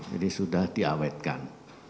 jadi sudah diawetkan